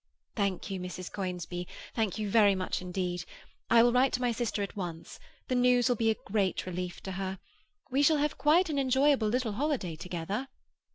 "Thank you, Mrs. Conisbee; thank you very much indeed. I will write to my sister at once; the news will be a great relief to her. We shall have quite an enjoyable little holiday together."